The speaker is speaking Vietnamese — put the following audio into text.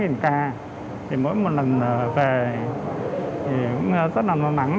thì mỗi một lần về thì cũng rất là non nắng